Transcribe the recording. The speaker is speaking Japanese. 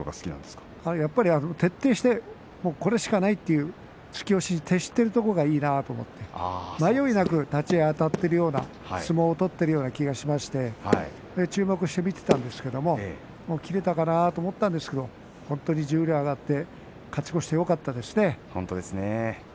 やっぱり徹底してこれしかないという突き押しに徹しているところがいいなと思って迷いなく立ち合いあたってくるような相撲を取っているような気がしまして注目して見ていたんですけれど切れたかなと思ったんですけど本当に十両に上がって勝ち越しをしてよかったですね。